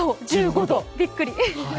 １５度、びっくりです。